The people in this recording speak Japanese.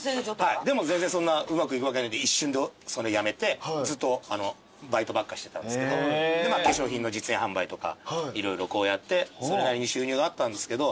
はいでも全然そんなうまくいくわけないんで一瞬でそれ辞めてずっとバイトばっかしてたんですけど化粧品の実演販売とか色々こうやってそれなりに収入があったんですけど。